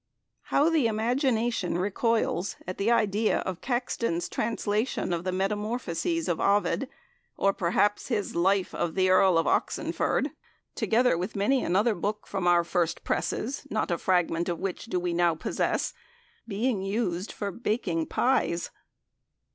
How the imagination recoils at the idea of Caxton's translation of the Metamorphoses of Ovid, or perhaps his "Lyf of therle of Oxenforde," together with many another book from our first presses, not a fragment of which do we now possess, being used for baking "pyes."